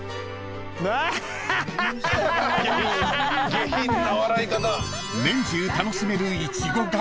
下品な笑い方。